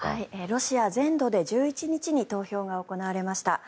ロシア全土で１１日に投票が行われました。